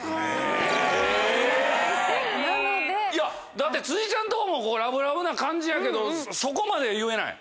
だって辻ちゃんとこもラブラブな感じやけどそこまで言えない？